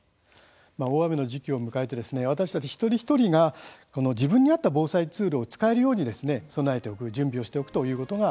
大雨の時期を迎えて私たち一人一人が自分に合った防災ツールを使えるように備えて準備をしておくことが